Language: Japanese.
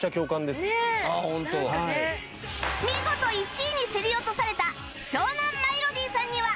見事１位に競り落とされた湘南マイロディさんには